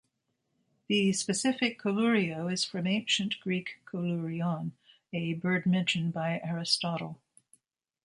The specific "collurio" is from Ancient Greek "kollurion", a bird mentioned by Aristotle.